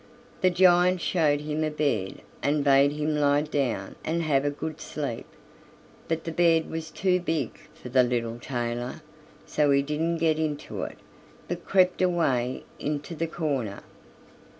The giant showed him a bed and bade him lie down and have a good sleep. But the bed was too big for the little tailor, so he didn't get into it, but crept away into the corner.